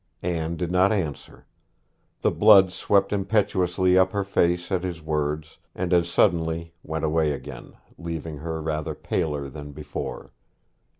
Anne did not answer. The blood swept impetuously up her face at his words, and as suddenly went away again, leaving her rather paler than before.